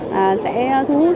và sẽ thu hút